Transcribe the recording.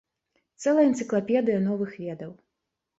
Цэлая энцыклапедыя новых ведаў.